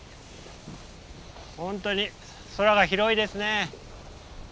本当に空が広いですね。